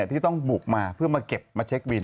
ที่ต้องบุกมาเพื่อมาเก็บมาเช็ควิน